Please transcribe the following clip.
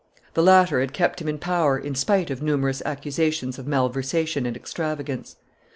The latter had kept him in power in spite of numerous accusations of malversation and extravagance.